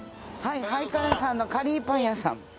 はいからさんのカリーパン屋さん。